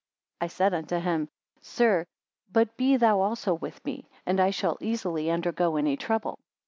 14 I said unto him; Sir, but be thou also with me, and I shall easily undergo any trouble.